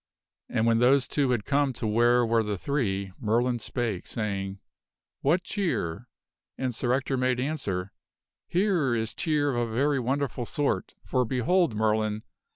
And when those uifius appear two had come to where were the three, Merlin spake, saying, to the three " What cheer? " And Sir Ector made answer, " Here is cheer of a very wonderful sort; for, behold, Merlin!